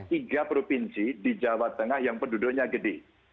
tiga provinsi di jawa tengah yang penduduknya gede